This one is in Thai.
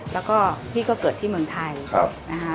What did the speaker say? แล้วก็พี่ก็เกิดที่เมืองไทยนะคะ